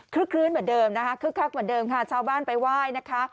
คลื้นเหมือนเดิมนะคะคึกคักเหมือนเดิมค่ะชาวบ้านไปไหว้นะคะ